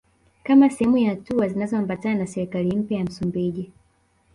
Kama sehemu ya hatua zinazoambatana na serikali mpya ya Msumbiji